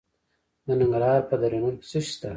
د ننګرهار په دره نور کې څه شی شته؟